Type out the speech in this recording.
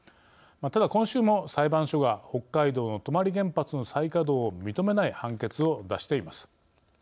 ただ、今週も裁判所が北海道の泊原発の再稼働を認めない判決を出しています。